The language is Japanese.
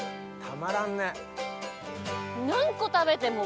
たまらんね。